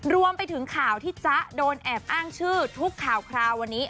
รวมไปถึงข่าวที่จ๊ะโดนแอบอ้างชื่อทุกข่าวคราววันนี้